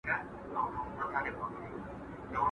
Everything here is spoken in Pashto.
ادب او نزاکت د انسان ښکلا ده.